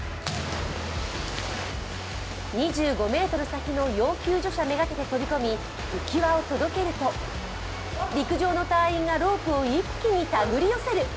２５ｍ先の要救助者めがけて飛び込み、浮き輪を届けると、陸上の隊員がロープを一気にたぐり寄せる。